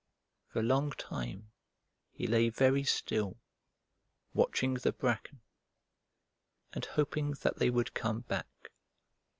For a long time he lay very still, watching the bracken, and hoping that they would come back.